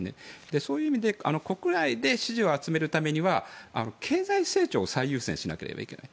そういう意味で国内で支持を集めるためには経済成長を最優先しなければいけない。